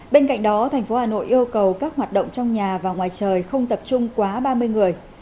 bên cạnh đó thành phố hà nội yêu cầu các hoạt động trong nhà và ngoài trời không tập trung quá ba mươi người